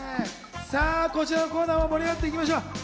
こちらのコーナーも盛り上がっていきましょう。